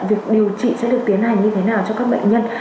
việc điều trị sẽ được tiến hành như thế nào cho các bệnh nhân